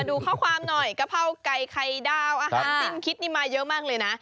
ดูข้อความหน่อยกะเพราไก่ไข่ดาวอาหารสิ้นคิดนี่มาเยอะมากเลยนะ